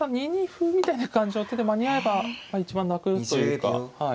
歩みたいな感じの手で間に合えば一番楽というか。